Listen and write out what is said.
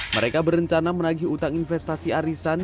mereka berencana menagih utang investasi arisan